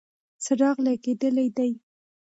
څراغ لګېدلی دی.